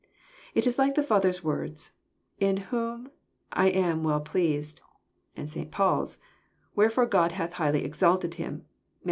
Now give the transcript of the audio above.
— It is like the Father's words, " In whom I am well pleased ;" and St. Paul's, " Where fore God hath highly exalted Him," (Matt.